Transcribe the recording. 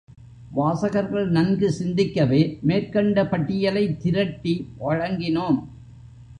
வாசகர்கள் நன்கு சிந்திக்கவே மேற்கண்ட பட்டியலைத் திரட்டி வழங்கினோம்!